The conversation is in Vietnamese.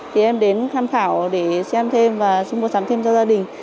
thì em đến tham khảo để xem thêm và xung mua sắm thêm cho gia đình